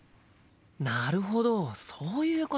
なるほどそういうことか。